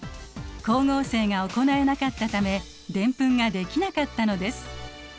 光合成が行えなかったためデンプンができなかったのです。